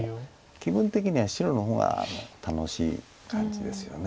気分的には白の方が楽しい感じですよね。